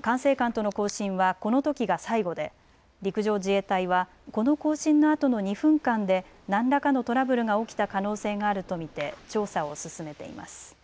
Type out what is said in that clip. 管制官との交信はこのときが最後で陸上自衛隊はこの交信のあとの２分間で何らかのトラブルが起きた可能性があると見て調査を進めています。